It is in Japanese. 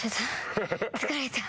疲れた。